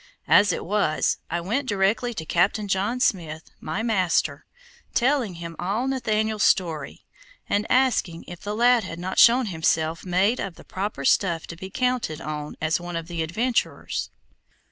As it was, I went directly to Captain John Smith, my master, telling him all Nathaniel's story, and asking if the lad had not shown himself made of the proper stuff to be counted on as one of the adventurers.